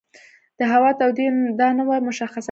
د هوا تودېدو دا نه وه مشخصه کړې.